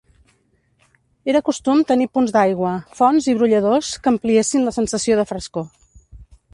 Era costum tenir punts d'aigua, fonts i brolladors que ampliessin la sensació de frescor.